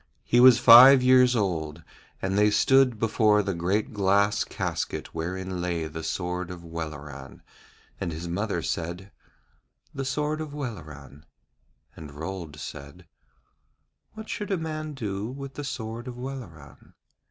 He was five years old, and they stood before the great glass casket wherein lay the sword of Welleran, and his mother said: 'The sword of Welleran.' And Rold said: 'What should a man do with the sword of Welleran?'